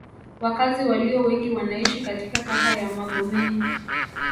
Wakazi walio wengi wanaishi katika kata ya Magomeni